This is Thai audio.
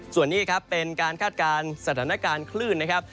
ส่วนนี้ครับเป็นการคาดการณ์สถานการณ์คลื่นนะครับ